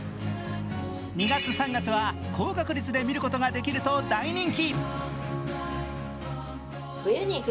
２月、３月は高確率で見ることができると大人気。